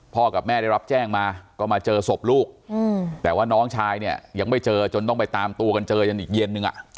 กับแม่ได้รับแจ้งมาก็มาเจอศพลูกแต่ว่าน้องชายเนี่ยยังไม่เจอจนต้องไปตามตัวกันเจอยันอีกเย็นนึง